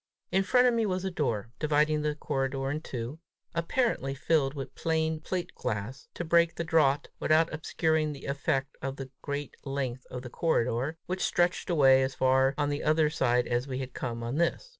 In front of me was a door, dividing the corridor in two, apparently filled with plain plate glass, to break the draught without obscuring the effect of the great length of the corridor, which stretched away as far on the other side as we had come on this.